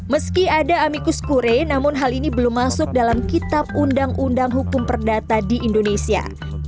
meski ada amikus kure namun hal ini belum masuk dalam kitab undang undang hukum perdata di indonesia